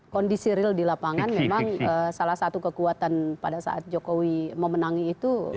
kondisi real di lapangan memang salah satu kekuatan pada saat jokowi memenangi itu